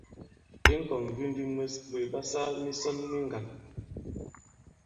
I ŋ̀kɔ̀ŋŋgindi mwes, ɓòt ɓa sāā misɔn mi ŋgǎn.